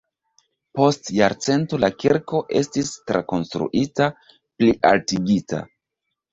Post jarcento la kirko estis trakonstruita, plialtigita.